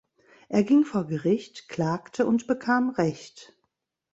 Er ging vor Gericht, klagte und bekam Recht.